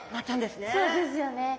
そうですよね。